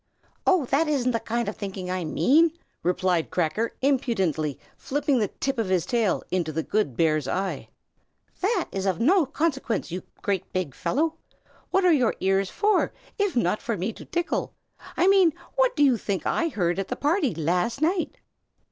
"Oh, that isn't the kind of thinking I mean!" replied Cracker, impudently flirting the tip of his tail into the good bear's eye. "That is of no consequence, you great big fellow! What are your ears for, if not for me to tickle? I mean, what do you think I heard at the party, last night?"